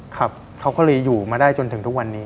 ครับเขาก็เลยอยู่มาได้จนถึงทุกวันนี้